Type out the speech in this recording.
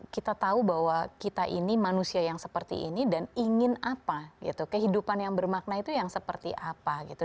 kita tahu bahwa kita ini manusia yang seperti ini dan ingin apa gitu kehidupan yang bermakna itu yang seperti apa gitu